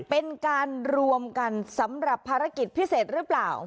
เป็นการรวมกันสำหรับภารกิจพิเศษหรือเปล่า